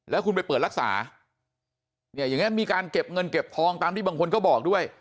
แล้วคุณไปเปิดรักษาเนี่ยอย่างนี้มีการเก็บเงินเก็บทองตามที่บางคนก็บอกด้วย